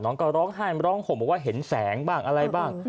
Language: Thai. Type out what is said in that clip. น้องก็ร้องไห้ร้องห่มบอกว่าเห็นแสงบ้างอะไรบ้าง